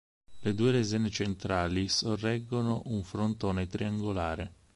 Le due lesene centrali sorreggono un frontone triangolare.